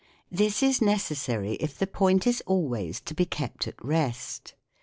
This is necessary if the point is always to be kept at rest.